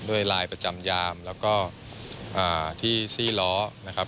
ลายประจำยามแล้วก็ที่ซี่ล้อนะครับ